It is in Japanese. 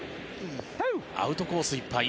アウトコースいっぱい。